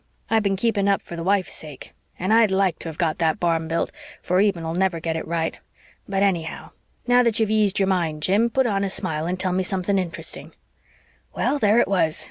I've been keeping up for the wife's sake. And I'd LIKE to have got that barn built, for Eben'll never get it right. But anyhow, now that you've eased your mind, Jim, put on a smile and tell me something interesting,' Well, there it was.